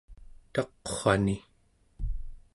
taqu͡rrani